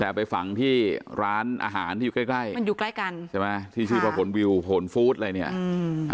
แต่เอาไปฝังที่ร้านอาหารที่อยู่ใกล้ใกล้มันอยู่ใกล้กันใช่ไหมที่ชื่อว่าผลวิวผลฟู้ดอะไรเนี่ยอืม